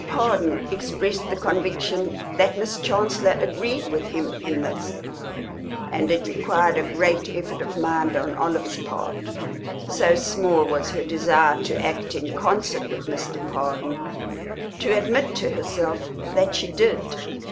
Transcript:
Pardon expressed the conviction that Miss Chancellor agreed with him in this, and it required a great effort of mind on Olive's part, so small was her desire to act in concert with Mr. Pardon, to admit to herself that she did.